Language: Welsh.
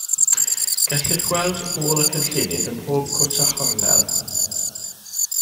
Gellir gweld ôl y cynllunydd ym mhob cwt a chornel.